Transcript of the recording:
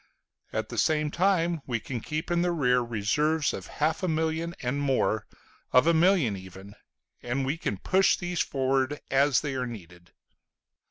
At the same time we can keep in the rear reserves of half a million and more, of a million even, and we can push these forward as they are needed.